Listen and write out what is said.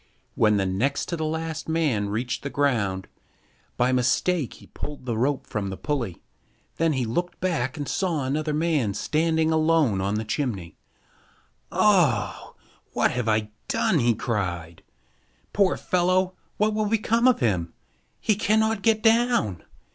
When the next to the last man reached the ground, by mistake he pulled the rope from the pulley. Then he looked back and saw another man standing alone on the chimney. "Oh! what have I done!" he cried. "Poor fellow, what will become of him? He cannot get down!